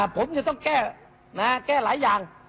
ผมจะต้องแก้แก้หลายอย่าง